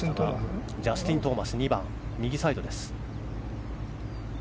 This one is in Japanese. ジャスティン・トーマス２番、右サイドです。